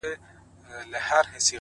• زه مي له ژونده په اووه قرآنه کرکه لرم؛